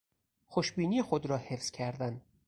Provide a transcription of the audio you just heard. خوش بینی خود را حفظ کردن